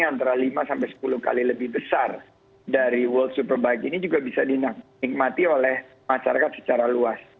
antara lima sampai sepuluh kali lebih besar dari world superbike ini juga bisa dinikmati oleh masyarakat secara luas